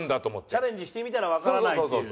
チャレンジしてみたらわからないっていう。